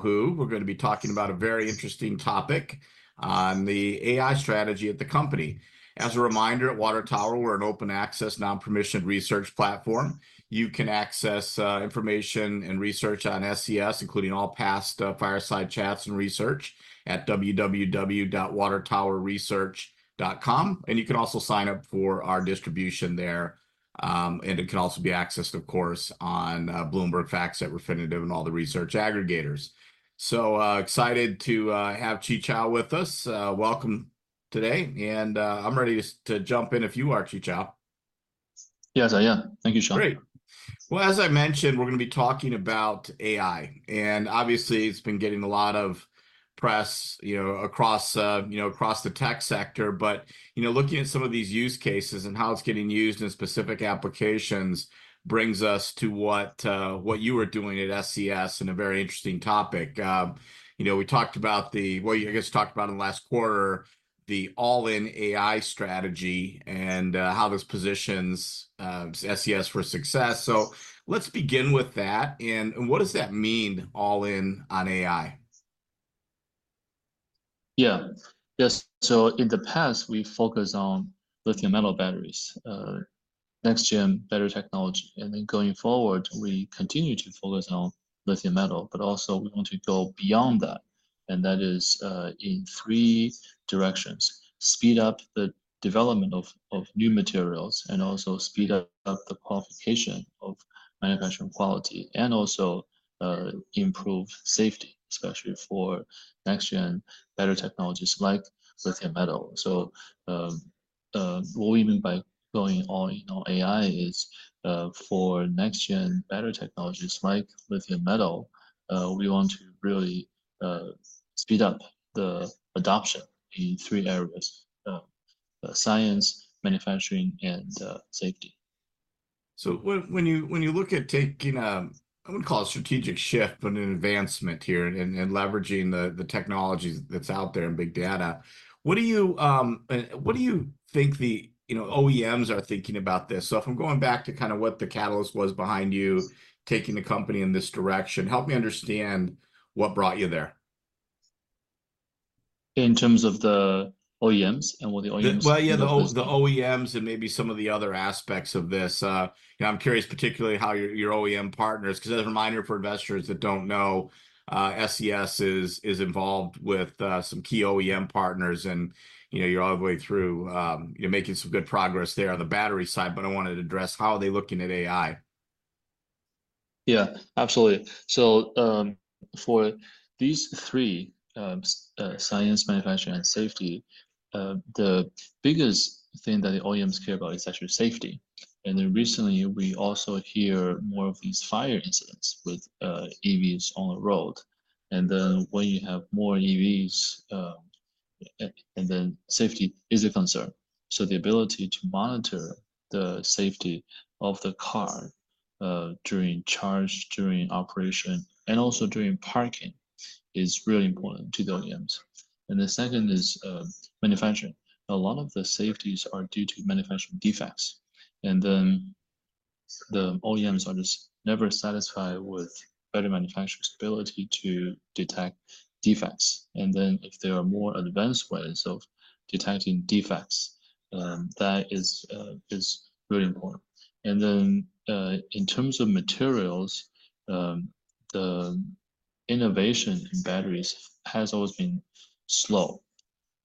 who we're gonna be talking about a very interesting topic on the AI strategy at the company. As a reminder, at Water Tower Research, we're an open access, non-permissioned research platform. You can access, information and research on SES, including all past, fireside chats and research at www.watertowerresearch.com, and you can also sign up for our distribution there. And it can also be accessed, of course, on Bloomberg, FactSet, Refinitiv and all the research aggregators. So excited to have Qichao with us. Welcome today, and I'm ready to jump in if you are, Qichao. Yes, I am. Thank you, Shawn. Great. Well, as I mentioned, we're gonna be talking about AI, and obviously it's been getting a lot of press, you know, across, you know, across the tech sector. But, you know, looking at some of these use cases and how it's getting used in specific applications brings us to what, what you are doing at SES, and a very interesting topic. You know, we talked about in the last quarter, the all-in AI strategy, and, how this positions, SES for success. So let's begin with that, and, and what does that mean, all in on AI? Yeah. Yes, so in the past, we focused on lithium metal batteries, next-gen battery technology. And then going forward, we continue to focus on lithium metal, but also we want to go beyond that, and that is in three directions: speed up the development of new materials, and also speed up the qualification of manufacturing quality, and also improve safety, especially for next-gen battery technologies like lithium metal. So, what we mean by going all-in on AI is, for next-gen battery technologies like lithium metal, we want to really speed up the adoption in three areas: science, manufacturing, and safety. So when you look at taking, I wouldn't call it a strategic shift, but an advancement here, and leveraging the technology that's out there in big data, what do you think the, you know, OEMs are thinking about this? So if I'm going back to kind of what the catalyst was behind you taking the company in this direction, help me understand what brought you there. In terms of the OEMs and what the OEMs— Well, yeah, the OEMs and maybe some of the other aspects of this. You know, I'm curious, particularly how your OEM partners... 'Cause as a reminder for investors that don't know, SES is involved with some key OEM partners and, you know, you're all the way through, you're making some good progress there on the battery side, but I wanted to address how are they looking at AI? Yeah, absolutely. So, for these three, science, manufacturing, and safety, the biggest thing that the OEMs care about is actually safety. And then recently, we also hear more of these fire incidents with EVs on the road. And then when you have more EVs, and then safety is a concern. So the ability to monitor the safety of the car, during charge, during operation, and also during parking, is really important to the OEMs. And the second is, manufacturing. A lot of the safeties are due to manufacturing defects, and then the OEMs are just never satisfied with battery manufacturers' ability to detect defects. And then if there are more advanced ways of detecting defects, that is very important. Then, in terms of materials, the innovation in batteries has always been slow,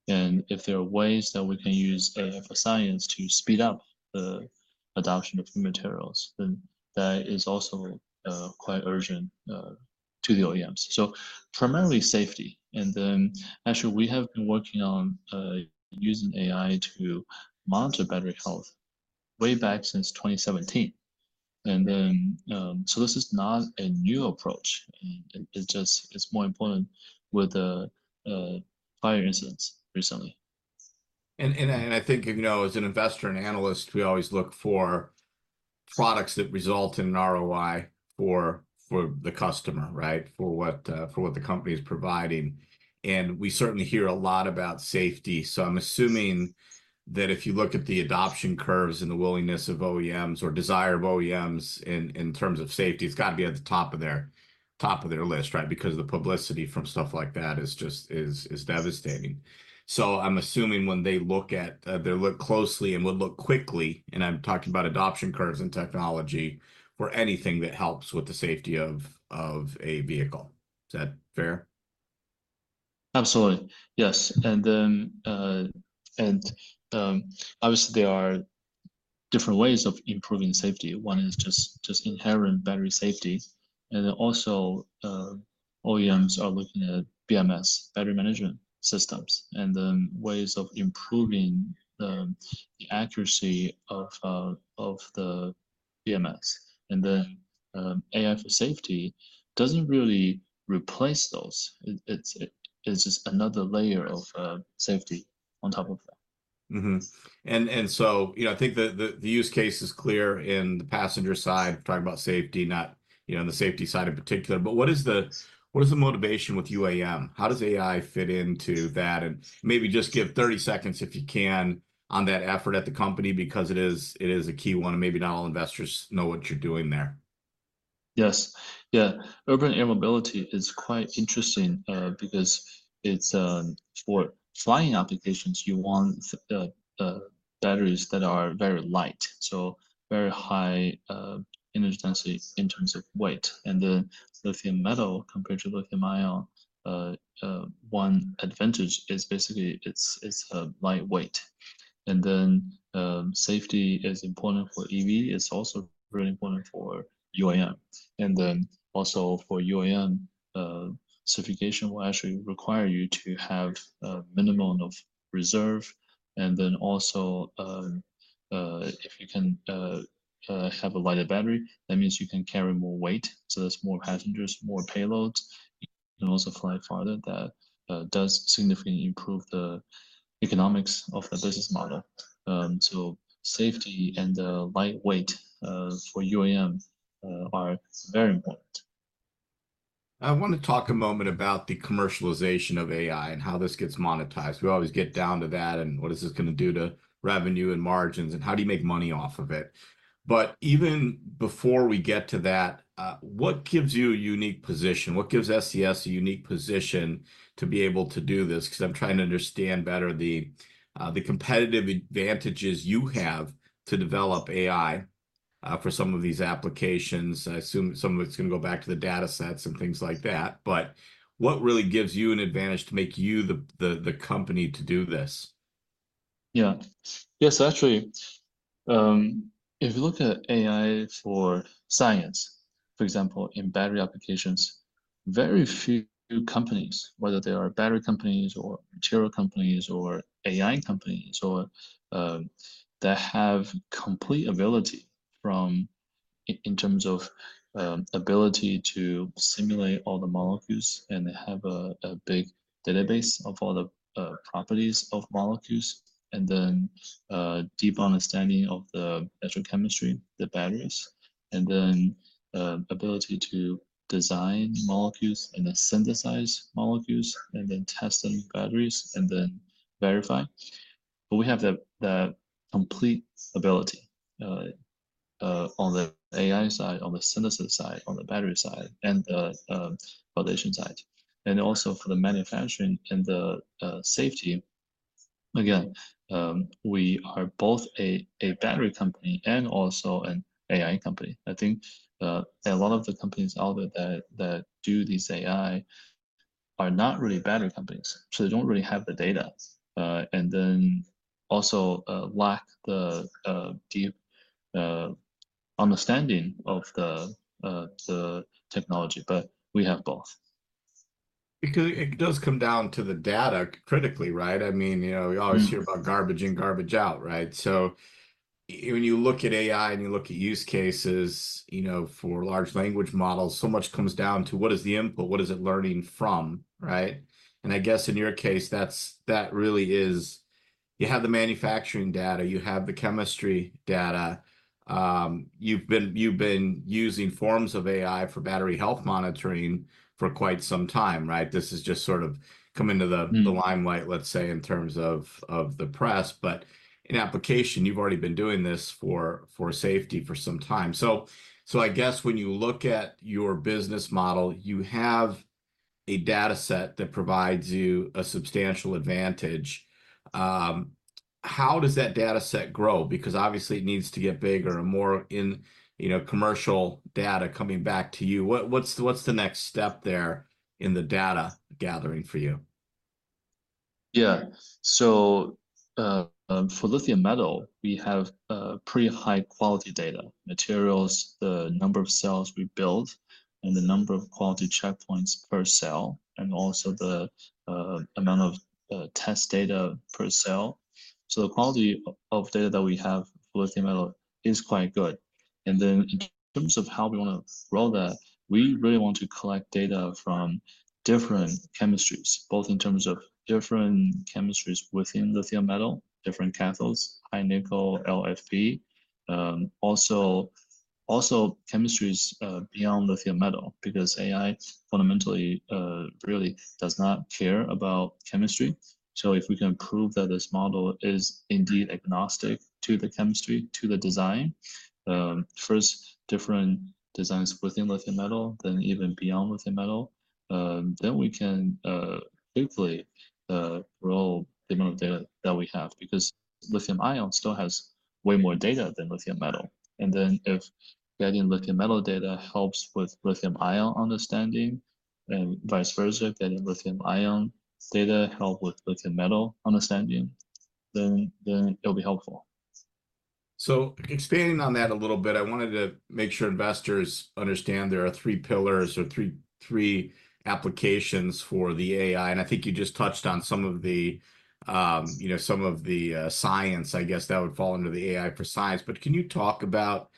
and if there are ways that we can use AI for Science to speed up the adoption of new materials, then that is also quite urgent to the OEMs. So primarily safety, and then actually, we have been working on using AI to monitor battery health way back since 2017. So this is not a new approach. It just, it's more important with the fire incidents recently. I think, you know, as an investor and analyst, we always look for products that result in an ROI for the customer, right? For what the company is providing. We certainly hear a lot about safety, so I'm assuming that if you look at the adoption curves and the willingness of OEMs or desire of OEMs in terms of safety, it's got to be at the top of their list, right? Because the publicity from stuff like that is just devastating. I'm assuming when they look at, they look closely and would look quickly, and I'm talking about adoption curves and technology, for anything that helps with the safety of a vehicle. Is that fair? Absolutely. Yes. And then obviously there are different ways of improving safety. One is just inherent battery safety, and then also OEMs are looking at BMS, battery management systems, and then ways of improving the accuracy of the BMS. And then AI for Safety doesn't really replace those, it's just another layer of safety on top of that. And so, you know, I think the use case is clear in the passenger side, talking about safety, you know, on the safety side in particular. But what is the motivation with UAM? How does AI fit into that? And maybe just give 30 seconds, if you can, on that effort at the company, because it is a key one, and maybe not all investors know what you're doing there. Yes. Yeah, urban air mobility is quite interesting because it's for flying applications. You want the batteries that are very light. So very high energy density in terms of weight. And the lithium metal compared to lithium-ion, one advantage is basically it's lightweight. And then safety is important for EV. It's also really important for UAM. And then also for UAM, certification will actually require you to have a minimum of reserve. And then also if you can have a lighter battery, that means you can carry more weight, so that's more passengers, more payloads. You can also fly farther. That does significantly improve the economics of the business model. So safety and the lightweight for UAM are very important. I want to talk a moment about the commercialization of AI and how this gets monetized. We always get down to that, and what is this gonna do to revenue and margins, and how do you make money off of it? But even before we get to that, what gives you a unique position? What gives SES a unique position to be able to do this? 'Cause I'm trying to understand better the competitive advantages you have to develop AI for some of these applications. I assume some of it's gonna go back to the data sets and things like that. But what really gives you an advantage to make you the company to do this? Yeah. Yes, actually, if you look at AI for Science, for example, in battery applications, very few companies, whether they are battery companies or material companies or AI companies, or that have complete ability from in terms of ability to simulate all the molecules and have a big database of all the properties of molecules, and then deep understanding of the electrochemistry, the batteries, and then ability to design molecules and then synthesize molecules, and then test them batteries, and then verify. But we have the complete ability on the AI side, on the synthesis side, on the battery side, and the validation side. And also for the manufacturing and the safety, again, we are both a battery company and also an AI company. I think a lot of the companies out there that do this AI are not really battery companies, so they don't really have the data, and then also lack the deep understanding of the technology, but we have both. Because it does come down to the data critically, right? I mean, you know we always hear about garbage in, garbage out, right? So when you look at AI and you look at use cases, you know, for large language models, so much comes down to what is the input, what is it learning from, right? And I guess in your case, that's, that really is... You have the manufacturing data, you have the chemistry data. You've been using forms of AI for battery health monitoring for quite some time, right? This is just sort of come into the limelight, let's say, in terms of the press. But in application, you've already been doing this for safety for some time. So, I guess when you look at your business model, you have a data set that provides you a substantial advantage. How does that data set grow? Because obviously, it needs to get bigger and more incoming, you know, commercial data coming back to you. What's the next step there in the data gathering for you? Yeah. So for lithium metal, we have pretty high-quality data, materials, the number of cells we build, and the number of quality checkpoints per cell, and also the amount of test data per cell. So the quality of data that we have for lithium metal is quite good. And then in terms of how we want to grow that, we really want to collect data from different chemistries, both in terms of different chemistries within lithium metal, different cathodes, high nickel, LFP. Also chemistries beyond lithium metal, because AI fundamentally really does not care about chemistry. So if we can prove that this model is indeed agnostic to the chemistry, to the design, first different designs within lithium metal, then even beyond lithium metal, then we can hopefully grow the amount of data that we have, because lithium-ion still has way more data than lithium metal. And then if getting lithium metal data helps with lithium-ion understanding and vice versa, getting lithium-ion data help with lithium metal understanding, then it'll be helpful. So expanding on that a little bit, I wanted to make sure investors understand there are three pillars or three applications for the AI, and I think you just touched on some of the, you know, science, I guess, that would fall under the AI for Science. But can you talk about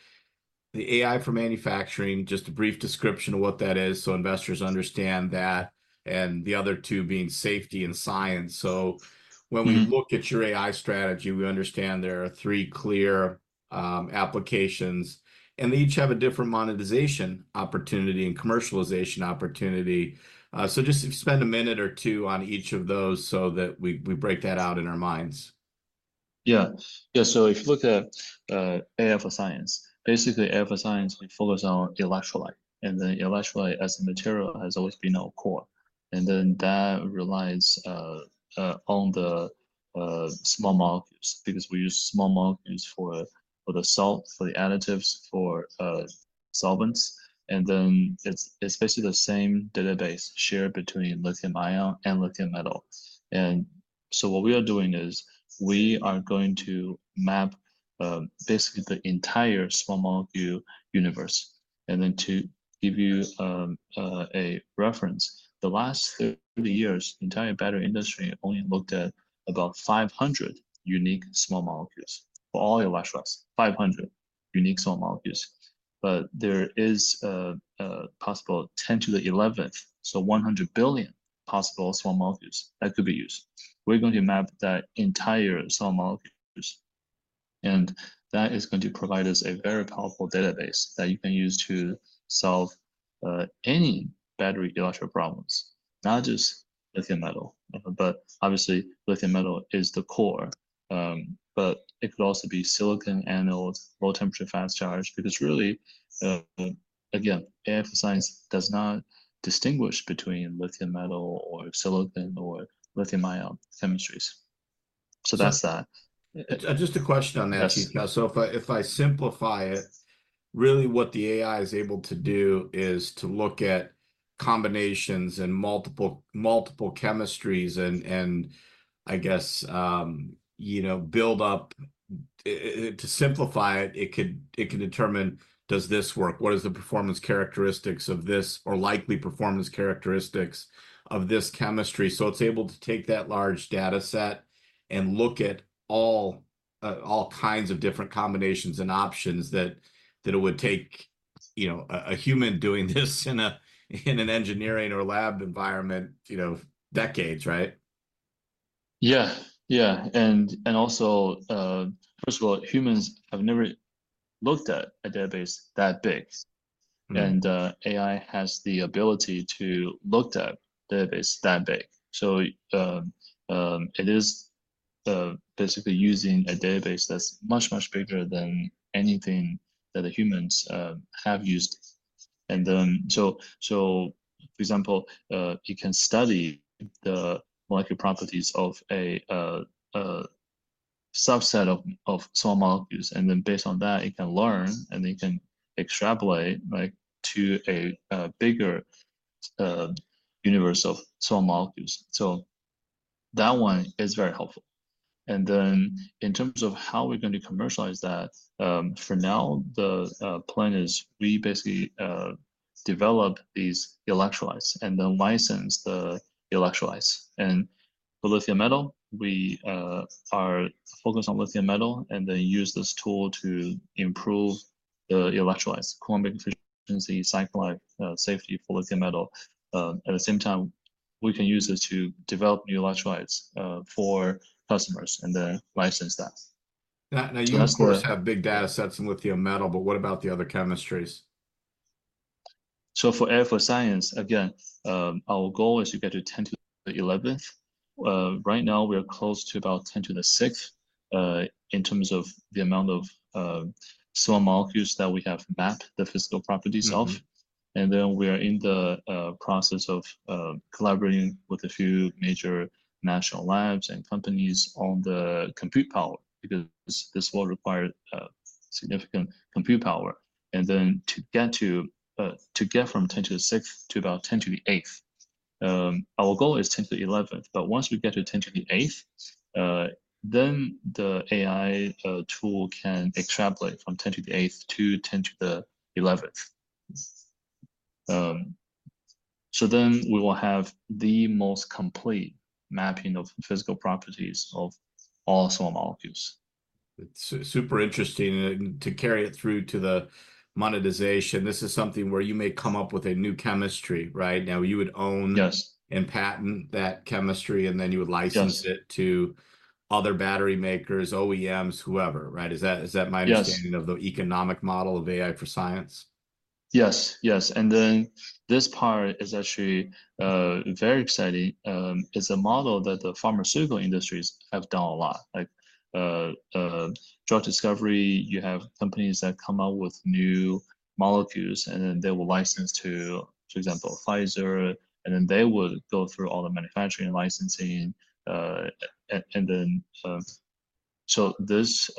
the AI for Manufacturing, just a brief description of what that is, so investors understand that, and the other two being safety and science. So when we look at your AI strategy, we understand there are three clear applications, and they each have a different monetization opportunity and commercialization opportunity. So just spend a minute or two on each of those so that we break that out in our minds. Yeah. Yeah, so if you look at AI for Science, basically AI for Science, it focuses on electrolyte, and the electrolyte as a material has always been our core. And then that relies on the small molecules, because we use small molecules for the salt, for the additives, for solvents. And then it's basically the same database shared between lithium-ion and lithium metal. And so what we are doing is we are going to map basically the entire small molecule universe. And then to give you a reference, the last 30 years, the entire battery industry only looked at about 500 unique small molecules for all electrolytes. 500 unique small molecules. But there is a possible ten to the eleventh, so 100 billion possible small molecules that could be used. We're going to map that entire small molecules, and that is going to provide us a very powerful database that you can use to solve any battery electrolyte problems, not just lithium metal. But obviously, lithium metal is the core. But it could also be silicon anode, low-temperature fast charge, because really, again, AI for Science does not distinguish between lithium metal or silicon or lithium-ion chemistries. So that's that. Just a question on that. Yes. So if I simplify it, really what the AI is able to do is to look at combinations and multiple chemistries and I guess you know build up. To simplify it, it could determine, does this work? What is the performance characteristics of this or likely performance characteristics of this chemistry? So it's able to take that large data set and look at all kinds of different combinations and options that it would take you know a human doing this in an engineering or lab environment you know decades right? Yeah. Yeah. And also, first of all, humans have never looked at a database that big. And AI has the ability to look at a database that big. So, it is basically using a database that's much, much bigger than anything that the humans have used. And then, so for example, you can study the molecular properties of a subset of small molecules, and then based on that, it can learn, and it can extrapolate, like, to a bigger universe of small molecules. So that one is very helpful. And then in terms of how we're going to commercialize that, for now, the plan is we basically develop these electrolytes and then license the electrolytes. And the lithium metal, we are focused on lithium metal, and then use this tool to improve the electrolytes, Coulombic efficiency, cycle life, safety for lithium metal. At the same time, we can use this to develop new electrolytes, for customers and then license that. Now, you, of course—have big data sets in lithium metal, but what about the other chemistries? So for AI for Science, again, our goal is to get to ten to the eleventh. Right now we are close to about ten to the sixth, in terms of the amount of small molecules that we have mapped the physical properties of. And then we are in the process of collaborating with a few major national labs and companies on the compute power, because this will require significant compute power. And then to get from ten to the sixth to about ten to the eighth, our goal is ten to the eleventh, but once we get to ten to the eighth, then the AI tool can extrapolate from ten to the eighth to ten to the eleventh. So then we will have the most complete mapping of physical properties of all small molecules. It's super interesting. And to carry it through to the monetization, this is something where you may come up with a new chemistry, right? Now, you would own— Yes And patent that chemistry, and then you would license it— Yes To other battery makers, OEMs, whoever, right? Is that, is that my understanding— Yes Of the economic model of AI for Science? Yes. Yes, and then this part is actually very exciting. It's a model that the pharmaceutical industries have done a lot, like, drug discovery. You have companies that come out with new molecules, and then they will license to, for example, Pfizer, and then they would go through all the manufacturing and licensing. So this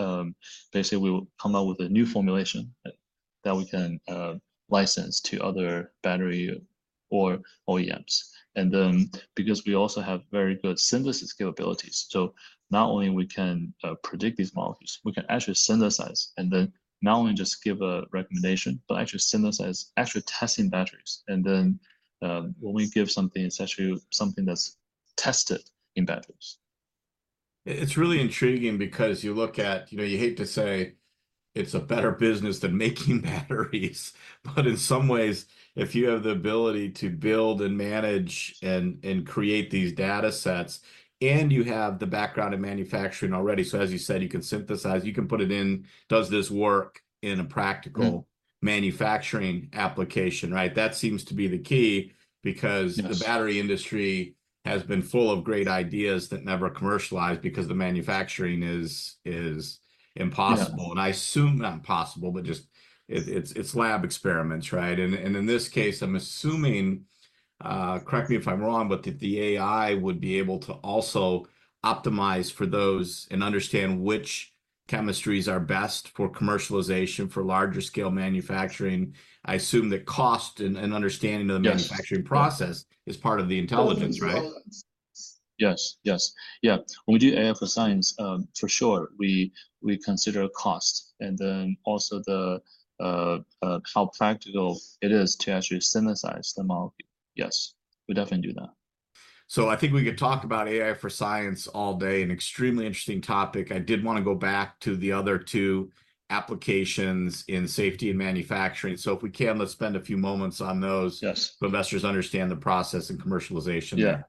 basically we will come out with a new formulation that we can license to other battery or OEMs. And then because we also have very good synthesis capabilities, so not only we can predict these molecules, we can actually synthesize, and then not only just give a recommendation, but actually synthesize, actually testing batteries. And then when we give something, it's actually something that's tested in batteries. It's really intriguing because you look at, you know, you hate to say it's a better business than making batteries but in some ways, if you have the ability to build and manage and create these data sets, and you have the background in manufacturing already, so as you said, you can synthesize, you can put it in, does this work in a practical manufacturing application, right? That seems to be the key, because— Yes The battery industry has been full of great ideas that never commercialized because the manufacturing is impossible. Yeah. I assume not impossible, but just it's lab experiments, right? And in this case, I'm assuming, correct me if I'm wrong, but that the AI would be able to also optimize for those and understand which chemistries are best for commercialization for larger scale manufacturing. I assume that cost and understanding of the— Yes Manufacturing process is part of the intelligence, right? Yes, yes. Yeah, when we do AI for Science, for sure, we consider cost, and then also how practical it is to actually synthesize the model. Yes, we definitely do that. I think we could talk about AI for Science all day, an extremely interesting topic. I did wanna go back to the other two applications in Safety and Manufacturing. If we can, let's spend a few moments on those— Yes So investors understand the process and commercialization there. Yeah.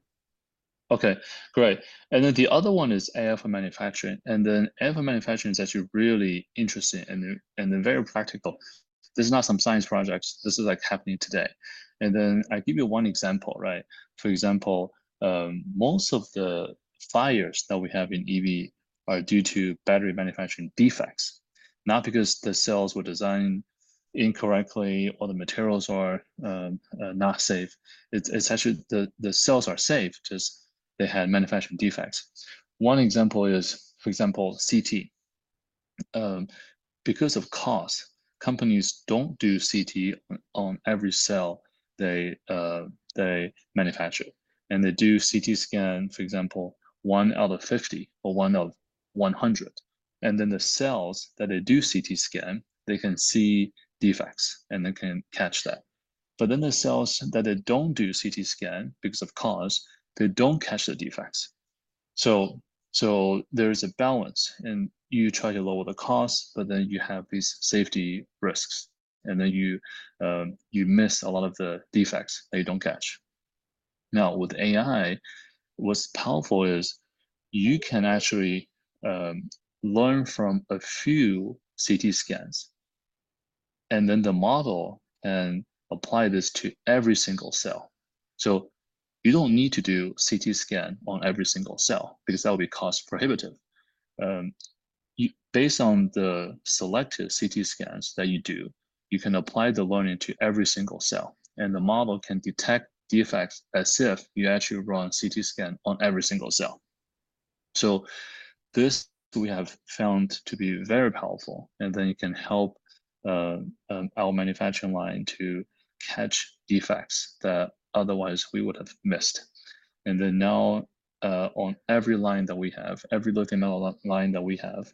Okay, great. And then the other one is AI for Manufacturing, and then AI for Manufacturing is actually really interesting and very practical. This is not some science projects, this is, like, happening today. And then I give you one example, right? For example, most of the fires that we have in EV are due to battery manufacturing defects, not because the cells were designed incorrectly or the materials are not safe. It's actually the cells are safe, just they had manufacturing defects. One example is, for example, CT. Because of cost, companies don't do CT on every cell they manufacture, and they do CT scan, for example, one out of 50 or one out of 100. And then the cells that they do CT scan, they can see defects, and they can catch that. But then the cells that they don't do CT scan because of cost, they don't catch the defects. So there is a balance, and you try to lower the cost, but then you have these safety risks, and then you miss a lot of the defects that you don't catch. Now, with AI, what's powerful is you can actually learn from a few CT scans, and then the model, and apply this to every single cell. So you don't need to do CT scan on every single cell, because that would be cost-prohibitive. Based on the selected CT scans that you do, you can apply the learning to every single cell, and the model can detect defects as if you actually run CT scan on every single cell. So this we have found to be very powerful, and then it can help our manufacturing line to catch defects that otherwise we would have missed. And then now on every line that we have, every lithium-metal line that we have,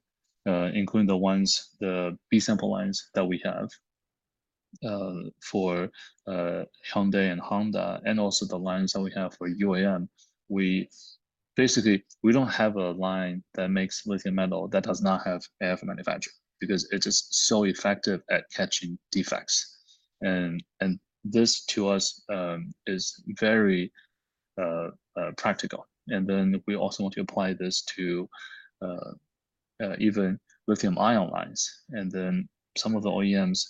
including the ones, the B-sample lines that we have for Hyundai and Honda, and also the lines that we have for UAM, we basically don't have a line that makes lithium metal that does not have AI for Manufacturing, because it is so effective at catching defects. And this, to us, is very practical. And then we also want to apply this to even lithium-ion lines. And then some of the OEMs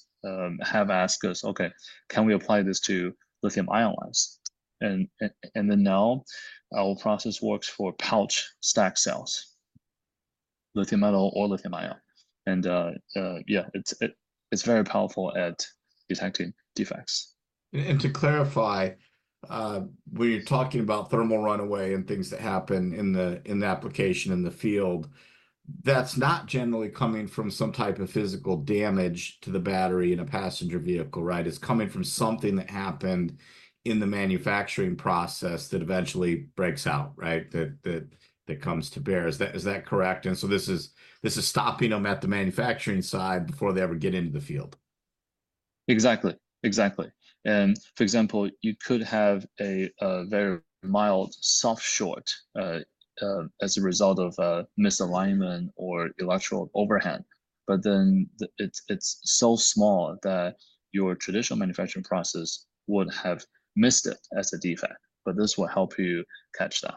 have asked us, "Okay, can we apply this to lithium-ion lines?" And then now our process works for pouch stack cells, lithium metal or lithium-ion. And yeah, it's very powerful at detecting defects. And to clarify, when you're talking about thermal runaway and things that happen in the application in the field, that's not generally coming from some type of physical damage to the battery in a passenger vehicle, right? It's coming from something that happened in the manufacturing process that eventually breaks out, right? That comes to bear. Is that correct? And so this is stopping them at the manufacturing side before they ever get into the field. Exactly, exactly. And for example, you could have a very mild soft short as a result of a misalignment or electrical overhang, but then it's so small that your traditional manufacturing process would have missed it as a defect, but this will help you catch that.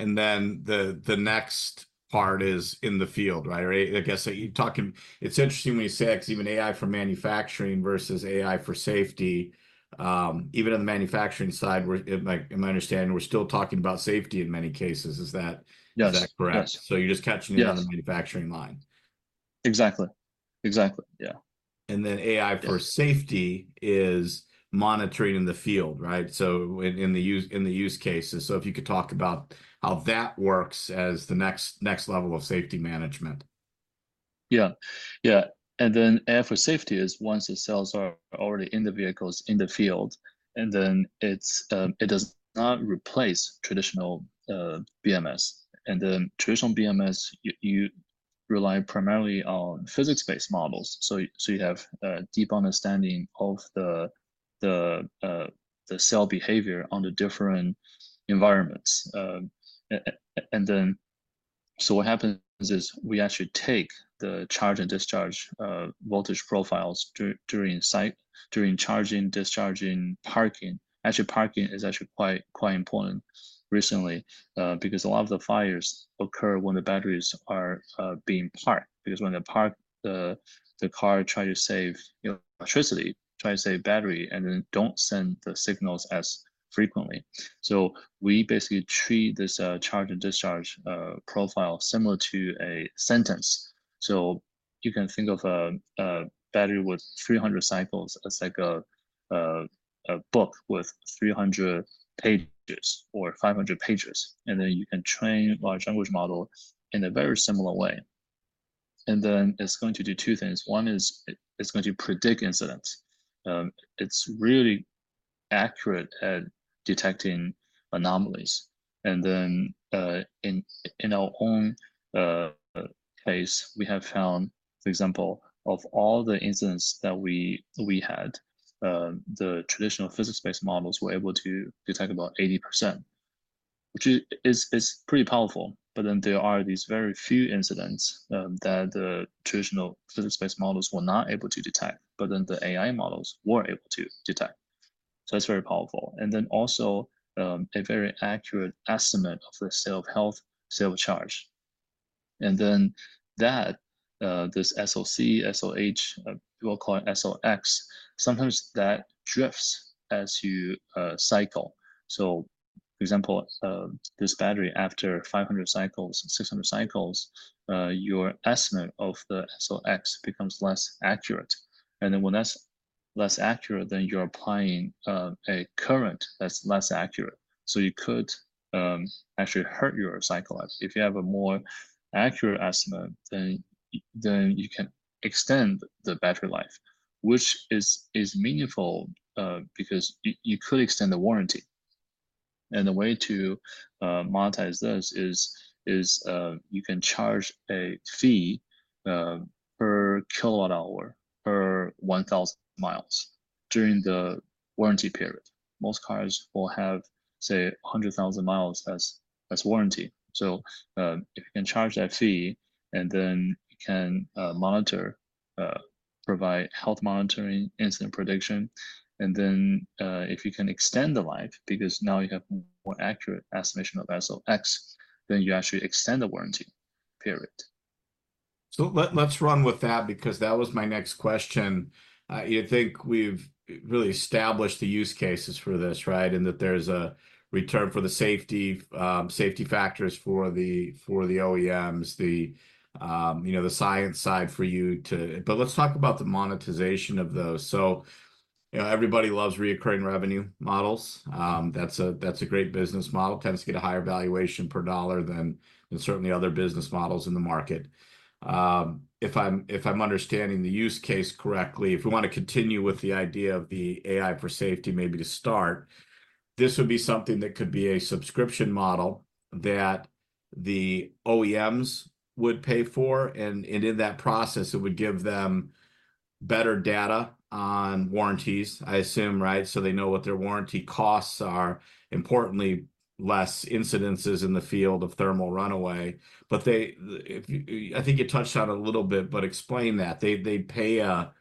And then the next part is in the field, right? Or I guess, so you're talking. It's interesting when you say, 'cause even AI for Manufacturing versus AI for Safety, even on the manufacturing side, in my understanding, we're still talking about safety in many cases. Is that— Yes Is that correct? Yes. You're just catching it— Yes On the manufacturing line. Exactly. Exactly, yeah. And then AI for— Yes Safety is monitoring in the field, right? So in the use cases. So if you could talk about how that works as the next level of safety management. Yeah, yeah. And then AI for Safety is once the cells are already in the vehicles in the field, and then it's, it does not replace traditional BMS. And the traditional BMS, you rely primarily on physics-based models, so you have a deep understanding of the cell behavior on the different environments. So what happens is we actually take the charge and discharge voltage profiles during cycle, during charging, discharging, parking. Actually, parking is actually quite important recently, because a lot of the fires occur when the batteries are being parked. Because when they're parked, the car try to save, you know, electricity, try to save battery, and then don't send the signals as frequently. So we basically treat this charge and discharge profile similar to a sentence. So you can think of a battery with 300 cycles as like a book with 300 pages or 500 pages, and then you can train large language model in a very similar way. And then it's going to do two things. One is, it's going to predict incidents. It's really accurate at detecting anomalies. And then, in our own case, we have found, for example, of all the incidents that we had, the traditional physics-based models were able to detect about 80%, which is pretty powerful. But then there are these very few incidents that the traditional physics-based models were not able to detect, but then the AI models were able to detect. So it's very powerful. And then also, a very accurate estimate of the cell health, cell charge. And then that, this SOC, SOH, we'll call it SOX, sometimes that drifts as you cycle. So, for example, this battery after 500 cycles, 600 cycles, your estimate of the SOX becomes less accurate. And then when that's less accurate, then you're applying a current that's less accurate, so you could actually hurt your cycle life. If you have a more accurate estimate, then you can extend the battery life, which is meaningful, because you could extend the warranty. And the way to monetize this is, you can charge a fee, per kilowatt-hour, per 1,000 miles during the warranty period. Most cars will have, say, 100,000 miles as warranty. You can charge that fee, and then you can monitor, provide health monitoring, incident prediction. And then, if you can extend the life, because now you have more accurate estimation of SOX, then you actually extend the warranty period. So let's run with that because that was my next question. I think we've really established the use cases for this, right? And that there's a return for the safety, safety factors for the, for the OEMs, you know, the science side for you to... But let's talk about the monetization of those. You know, everybody loves recurring revenue models. That's a great business model. Tends to get a higher valuation per dollar than certainly other business models in the market. If I'm understanding the use case correctly, if we want to continue with the idea of the AI for Safety, maybe to start, this would be something that could be a subscription model that the OEMs would pay for, and in that process, it would give them better data on warranties, I assume, right? So they know what their warranty costs are. Importantly, less incidences in the field of thermal runaway. But they, I think you touched on it a little bit, but explain that. They pay a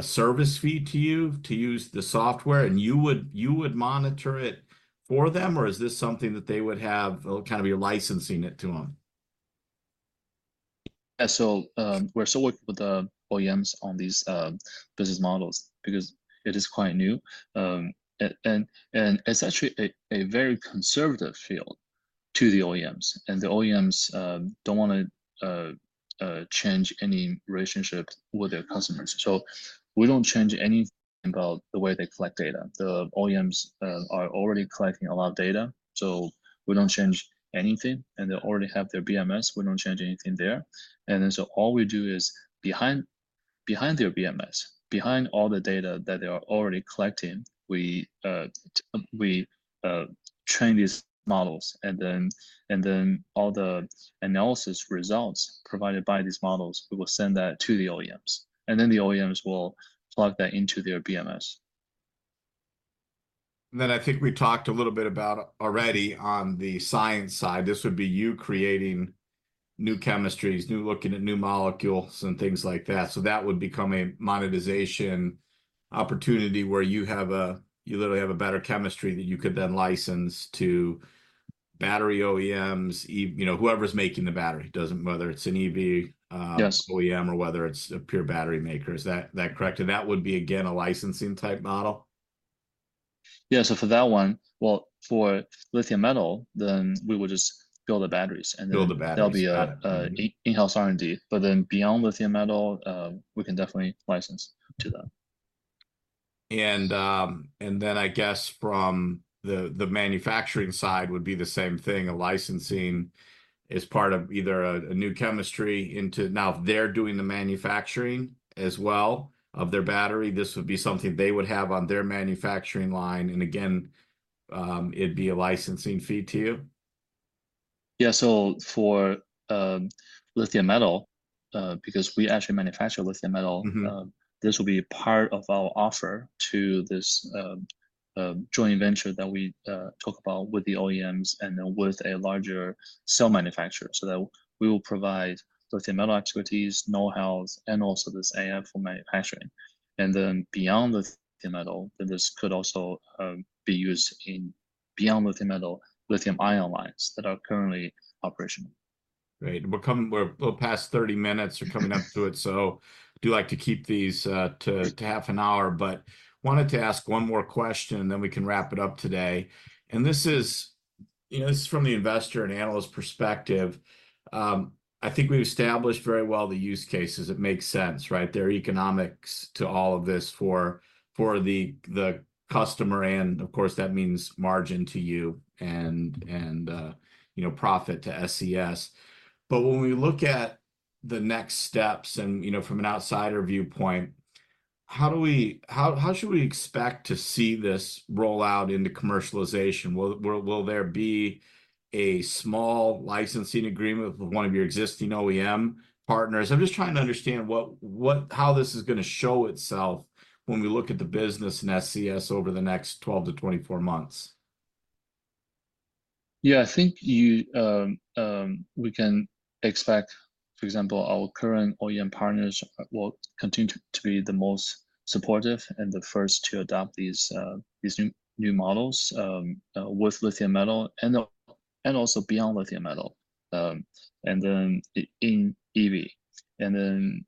service fee to you to use the software, and you would monitor it for them, or is this something that they would have, kind of, you're licensing it to them? So, we're still working with the OEMs on these business models because it is quite new, and it's actually a very conservative field to the OEMs, and the OEMs don't wanna change any relationship with their customers, so we don't change anything about the way they collect data. The OEMs are already collecting a lot of data, so we don't change anything, and they already have their BMS, we don't change anything there, and then so all we do is behind their BMS, behind all the data that they are already collecting, we train these models, and then all the analysis results provided by these models, we will send that to the OEMs, and then the OEMs will plug that into their BMS. And then I think we talked a little bit about already on the science side. This would be you creating new chemistries, looking at new molecules and things like that. So that would become a monetization opportunity where you have a... You literally have a better chemistry that you could then license to battery OEMs, you know, whoever's making the battery. It doesn't matter whether it's an EV. Yes OEM or whether it's a pure battery maker. Is that, that correct? And that would be, again, a licensing-type model? Yeah. So for that one, well, for lithium metal, then we would just build the batteries, and then- Build the batteries. There'll be a in-house R&D. But then beyond lithium metal, we can definitely license to them. I guess from the manufacturing side it would be the same thing, a licensing as part of either a new chemistry into. Now, if they're doing the manufacturing as well of their battery, this would be something they would have on their manufacturing line, and again, it'd be a licensing fee to you? Yeah. So for lithium metal, because we actually manufacture lithium metal. This will be a part of our offer to this joint venture that we talk about with the OEMs, and then with a larger cell manufacturer. So that we will provide lithium metal activities, know-hows, and also this AI for Manufacturing, and then beyond the lithium metal, then this could also be used in beyond lithium metal, lithium-ion lines that are currently operational. Great. We're a little past 30 minutes or coming up to it. So I do like to keep these to half an hour, but wanted to ask one more question, and then we can wrap it up today, and this is, you know, this is from the investor and analyst perspective. I think we've established very well the use cases. It makes sense, right? There are economics to all of this for the customer, and of course, that means margin to you and you know, profit to SES, but when we look at the next steps and, you know, from an outsider viewpoint, how do we... how should we expect to see this roll out into commercialization? Will there be a small licensing agreement with one of your existing OEM partners? I'm just trying to understand how this is gonna show itself when we look at the business in SES over the next 12 to 24 months. Yeah, I think you, we can expect, for example, our current OEM partners will continue to be the most supportive and the first to adopt these new models with lithium metal and also beyond lithium metal. And then in EV, and then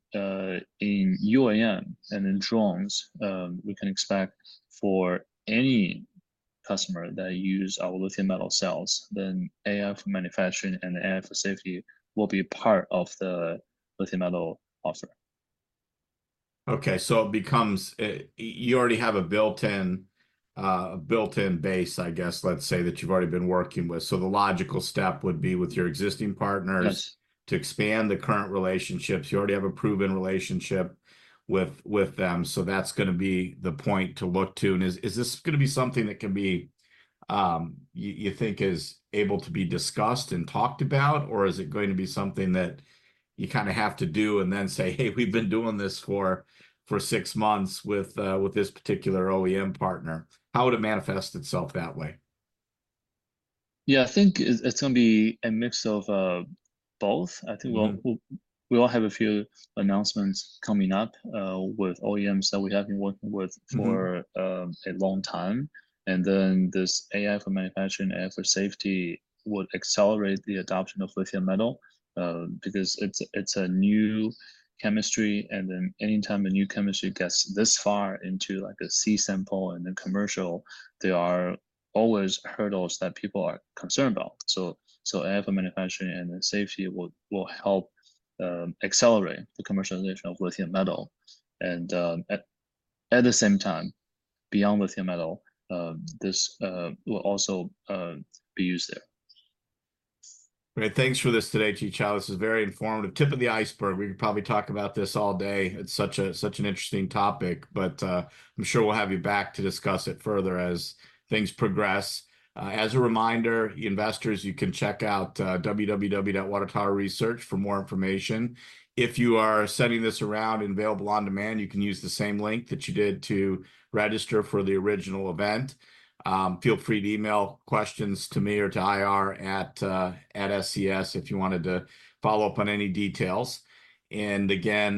in UAM and in drones, we can expect for any customer that use our lithium metal cells, then AI for Manufacturing and AI for Safety will be a part of the lithium metal offer. Okay, so it becomes, you already have a built-in base, I guess, let's say, that you've already been working with. So the logical step would be with your existing partners— Yes To expand the current relationships. You already have a proven relationship with them, so that's gonna be the point to look to. And is this gonna be something that can be, you think is able to be discussed and talked about, or is it going to be something that you kind of have to do and then say, "Hey, we've been doing this for six months with this particular OEM partner?" How would it manifest itself that way? Yeah, I think it's gonna be a mix of both. I think we will have a few announcements coming up with OEMs that we have been working with for a long time. And then this AI for Manufacturing and AI for Safety would accelerate the adoption of lithium metal because it's a new chemistry. And then anytime a new chemistry gets this far into, like, a C-sample and then commercial, there are always hurdles that people are concerned about. So AI for Manufacturing and then safety will help accelerate the commercialization of lithium metal. And at the same time, beyond lithium metal, this will also be used there. Great. Thanks for this today, Qichao. This is very informative. Tip of the iceberg. We could probably talk about this all day. It's such a, such an interesting topic, but I'm sure we'll have you back to discuss it further as things progress. As a reminder, investors, you can check out www.watertowerresearch for more information. If you are sending this around and available on demand, you can use the same link that you did to register for the original event. Feel free to email questions to me or to IR at SES, if you wanted to follow up on any details. And again,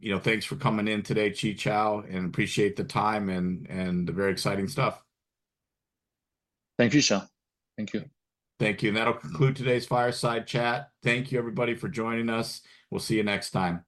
you know, thanks for coming in today, Qichao, and appreciate the time and the very exciting stuff. Thank you, Shawn. Thank you. Thank you. And that'll conclude today's fireside chat. Thank you, everybody, for joining us. We'll see you next time. Thank you.